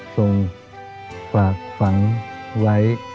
ทรงฝากฝังไว้